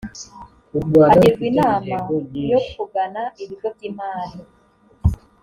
agirwa inama yo kugana ibigo by imari